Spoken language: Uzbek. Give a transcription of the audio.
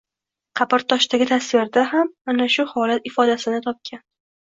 Qabrtoshdagi tasvirda ham ana shu holat ifodasini topgan